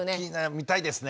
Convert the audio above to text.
見たいですね。